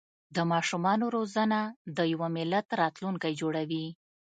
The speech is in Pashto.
د ماشومانو روزنه د یو ملت راتلونکی جوړوي.